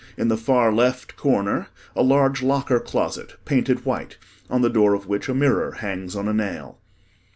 In the far left corner, a large locker closet, painted white, on the door of which a mirror hangs on a nail.